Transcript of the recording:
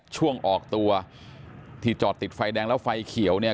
ช่วงออกตัวที่จอดติดไฟแดงแล้วไฟเขียวเนี่ย